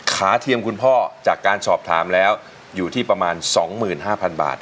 เทียมคุณพ่อจากการสอบถามแล้วอยู่ที่ประมาณ๒๕๐๐๐บาท